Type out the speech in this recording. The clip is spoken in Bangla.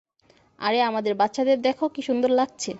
আরে আমাদের বাচ্চাদের দেখ কি সুন্দর লাগছে।